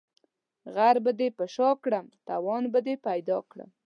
غر به دي په شاکړم ، توان به دي پيدا کړم.